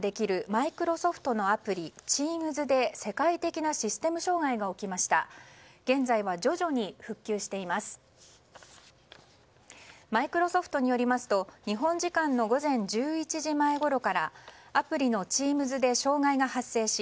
マイクロソフトによりますと日本時間の午前１１時前ごろからアプリのＴｅａｍｓで障害が発生し